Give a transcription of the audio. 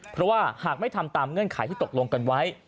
เพราะว่าหากไม่ทำตามเงื่อนไขที่ตกลงกันไว้